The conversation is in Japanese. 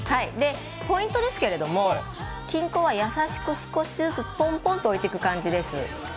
ポイントですけども金粉は優しく少しずつぽんぽんと置いていく感じです。